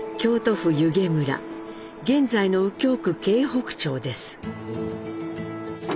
現在の右京区京北町です。